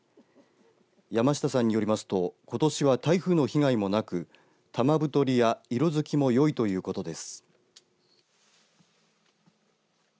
山下さんによりますとことしは台風の被害もなく玉太りや色づきもよいということです。